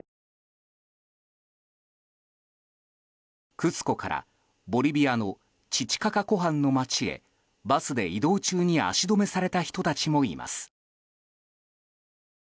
クスコからボリビアのティティカカ湖畔の街へバスで移動中に足止めされた人たちもいます。